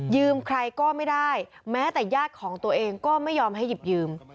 ใครก็ไม่ได้แม้แต่ญาติของตัวเองก็ไม่ยอมให้หยิบยืม